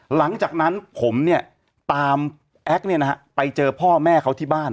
หลังจากนั้นผมเนี่ยตามแอคเนี่ยนะฮะไปเจอพ่อแม่เขาที่บ้าน